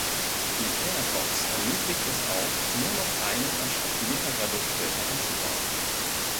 Die Airbox ermöglicht es auch, nur noch einen anstatt mehrerer Luftfilter einzubauen.